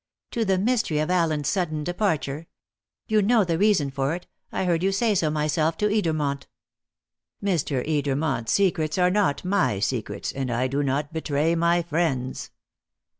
"To the mystery of Allen's sudden departure. You know the reason for it. I heard you say so myself to Edermont." "Mr. Edermont's secrets are not my secrets, and I do not betray my friends."